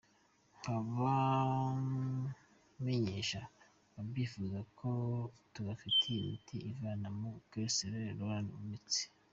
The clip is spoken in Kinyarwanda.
Nkaba menyesha ababyifuza ko tubafitiye imiti ivana izo cholestérol mu mitsi.